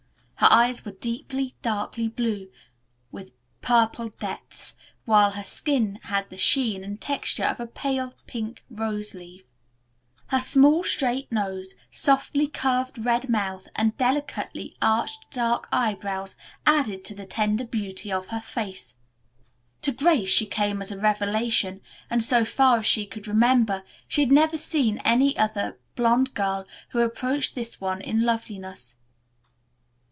Her eyes were deeply, darkly blue with purple depths, while her skin had the sheen and texture of pale pink rose leaves. Her small, straight nose, softly curved red mouth and delicately arched dark eyebrows added to the tender beauty of her face. To Grace she came as a revelation, and, so far as she could remember, she had never seen any other blonde girl who approached this one in loveliness.